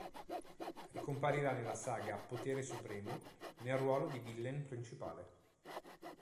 Ricomparirà nella saga "Potere Supremo" nel ruolo di villain principale.